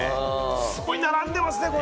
すごい並んでますね。